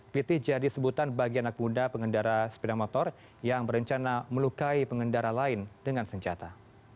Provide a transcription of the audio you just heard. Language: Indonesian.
piti jadi sebutan bagi anak muda pengendara sepeda motor yang berencana melukai pengendara lain dengan senjata